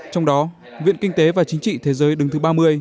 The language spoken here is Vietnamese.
trong đó viện kinh tế và chính trị thế giới đứng thứ ba mươi